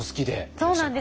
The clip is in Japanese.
そうなんです